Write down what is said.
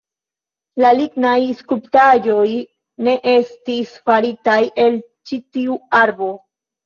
La lignaj skulptaĵoj ne estis faritaj el ĉi tiu arbo.